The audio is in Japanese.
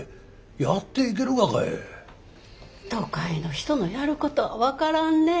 都会の人のやることは分からんねえ。